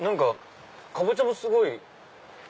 カボチャもすごい。